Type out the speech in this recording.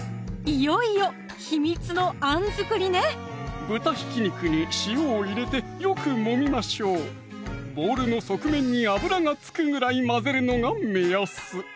いよいよ秘密のあん作りね豚ひき肉に塩を入れてよくもみましょうボウルの側面に脂が付くぐらい混ぜるのが目安